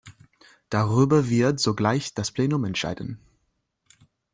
Darüber wird sogleich das Plenum entscheiden.